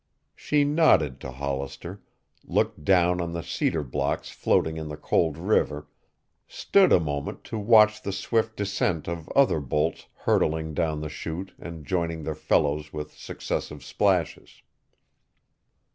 She nodded to Hollister, looked down on the cedar blocks floating in the cold river, stood a moment to watch the swift descent of other bolts hurtling down the chute and joining their fellows with successive splashes.